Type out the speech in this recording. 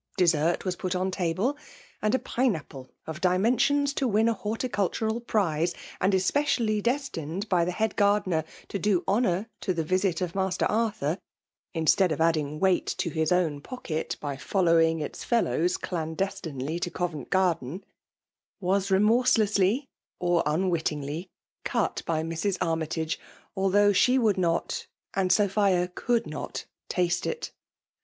Dessert was put on table; and a piiie apple of dimensions to win a horticultural prise, and especUiUy destined by the head gardener to do honour to the visit of Master VOL. 1. I* 218 F£BULB DOMINATION. Arthur, instead of adding weight to hia own pocket by following its fellows dandestinely to Covent Garden* was remorselessly or onwit* iingly cut by Mrs. Armytagei aldiough she would noty and Sophia could not, taste it